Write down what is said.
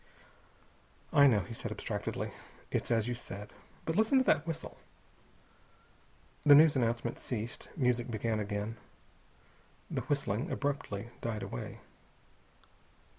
"I know," he said abstractedly. "It's as you said. But listen to that whistle." The news announcement ceased. Music began again. The whistling abruptly died away.